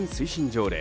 条例